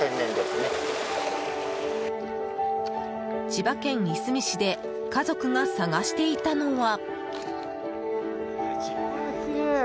千葉県いすみ市で家族が探していたのは。